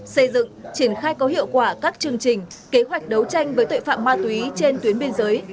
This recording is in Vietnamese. xây dựng triển khai có hiệu quả các chương trình kế hoạch đấu tranh với tội phạm ma túy trên tuyến biên giới